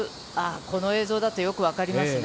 この映像だとよく分かりますね。